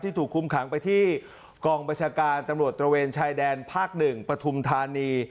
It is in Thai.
ที่ถูกคุ้มขังไปที่กองบริษัทกาลตำรวจตระเวนชายแดนภาค๑ประธุมธานี